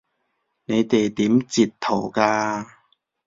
你哋點截圖㗎？